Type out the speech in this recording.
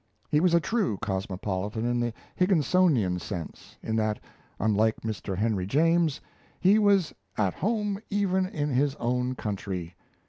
He was a true cosmopolitan in the Higginsonian sense, in that, unlike Mr. Henry James, he was "at home even in his own country."